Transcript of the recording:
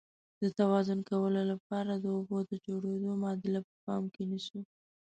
د توازن کولو لپاره د اوبو د جوړیدو معادله په پام کې نیسو.